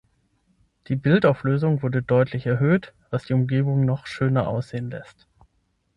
Die Bildauflösung wurde deutlich erhöht, was die Umgebung noch schöner aussehen lässt.